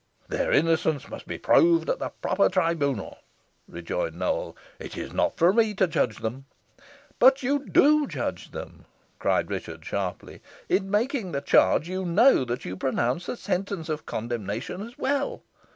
"Their innocence must be proved at the proper tribunal," rejoined Nowell. "It is not for me to judge them." "But you do judge them," cried Richard, sharply. "In making the charge, you know that you pronounce the sentence of condemnation as well.